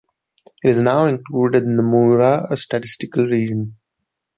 It is now included in the Mura Statistical Region.